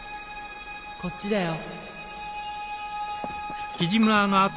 こっちだよ！